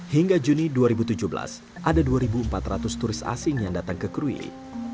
hingga juni dua ribu tujuh belas ada dua empat ratus turis asing yang datang ke krui